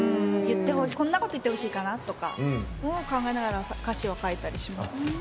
こんなこと言ってほしいかなとか歌詞を考えたりします。